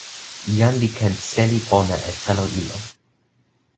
jan li ken seli pona e telo ilo.